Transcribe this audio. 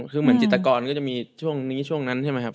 คือเหมือนจิตกรก็จะมีช่วงนี้ช่วงนั้นใช่ไหมครับ